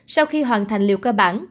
sau khi hoàn thành liệu cơ bản